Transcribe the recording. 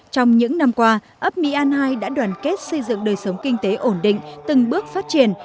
trong những năm qua ấp mỹ an hai đã đoàn kết xây dựng đời sống kinh tế ổn định từng bước phát triển